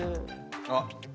あっ。